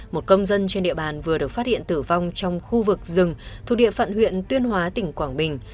một công dân trên địa bàn vừa được phát hiện tử vong trong khu vực rừng thuộc địa phận huyện tuyên hóa tỉnh quảng bình